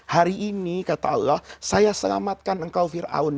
hari ini kata allah saya selamatkan engkau fir'aun